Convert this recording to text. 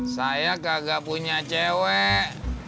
saya kagak punya cewek